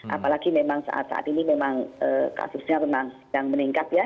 apalagi memang saat saat ini memang kasusnya memang sedang meningkat ya